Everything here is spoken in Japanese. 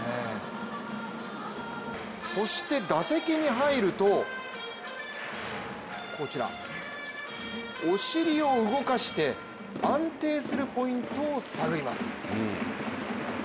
そして打席に入るとお尻を動かして、安定するポイントを探ります。